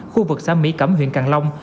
khu vực xã mỹ cẩm huyện càng long